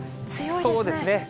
そうですね。